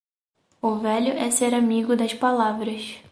O velho é ser amigo das palavras.